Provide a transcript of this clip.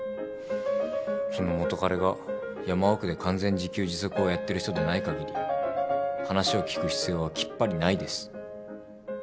その元カレが山奥で完全自給自足をやってる人でない限り話を聞く必要はきっぱりないです。